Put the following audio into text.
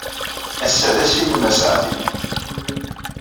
Ass-a d ass-nnem aseɛdi.